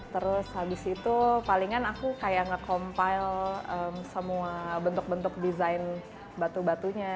terus habis itu palingan aku kayak nge compile semua bentuk bentuk desain batu batunya